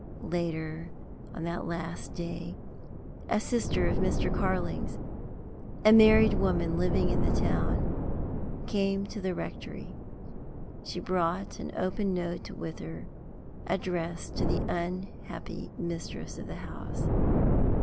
Later on that last day, a sister of Mr. Carling's a married woman living in the town came to the rectory. She brought an open note with her, addressed to the unhappy mistress of the house.